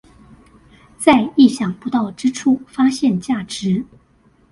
在意想不到之處發現價值